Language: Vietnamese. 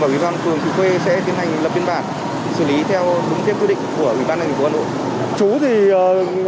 ở ủy ban phường thị khuê sẽ tiến hành lập biên bản xử lý theo đúng thiết quyết định của ủy ban nhân dân hình phố hà nội